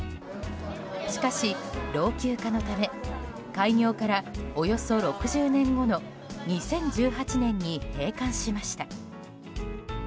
しかし、老朽化のため開業からおよそ６０年後の２０１８年に閉館しました。